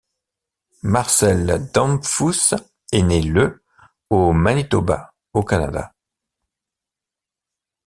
Marcel Damphousse est né le au Manitoba au Canada.